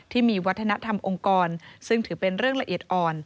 ที่มีวัฒนธรรมองค์กรซึ่งถือเป็นเรื่องละเอียดอ่อน